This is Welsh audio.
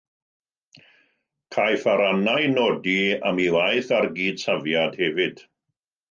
Caiff Arana ei nodi am ei waith ar gydsafiad hefyd.